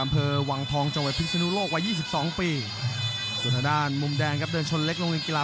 โปรดติดตามตอนต่อไป